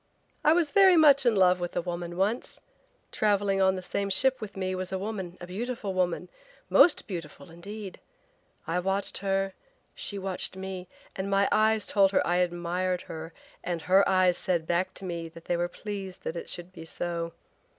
"I was very much in love with a woman once. Traveling on the same ship with me was a woman, a beautiful woman, most beautiful, indeed. I watched her, she watched me, and my eyes told her I admired her and her eyes said back to me they were pleased that it should be so.